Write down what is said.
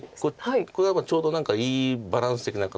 ちょうど何かいいバランス的な形で。